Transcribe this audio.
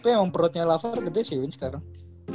tapi emang perutnya lafar gede sih win sekarang